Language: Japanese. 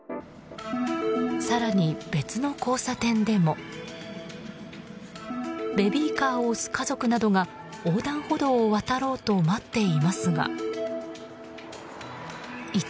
更に、別の交差点でもベビーカーを押す家族などが横断歩道を渡ろうと待っていますが。